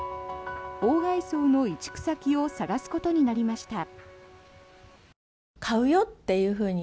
鴎外荘の移築先を探すことになりました。